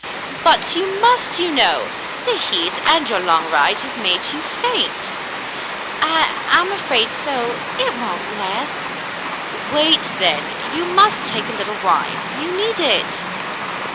"But you must, you know. The heat and your long ride have made you faint." "I — I'm afraid so. It — won't — last." "Wait, then. You must take a little wine; you need it."